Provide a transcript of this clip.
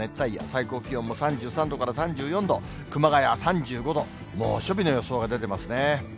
最高気温も３３度から３４度、熊谷３５度、猛暑日の予想が出てますね。